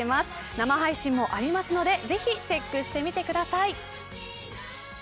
生配信もあるのでぜひチェックしてみてください。